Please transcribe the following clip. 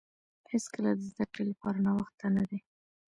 هیڅکله د زده کړې لپاره ناوخته نه دی.